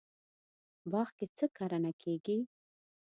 باغ کې څه کرنه کیږي؟